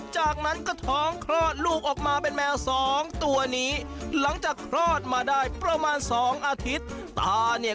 จากนั้นก็ท้องคลอดลูกออกมาเป็นแมวสองตัวนี้หลังจากคลอดมาได้ประมาณสองอาทิตย์ตาเนี่ย